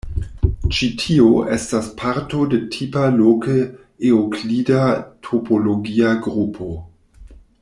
Ĉi-tio estas parto de tipa loke eŭklida topologia grupo.